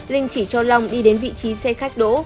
linh chỉ cho long đi đến vị trí xe khách đỗ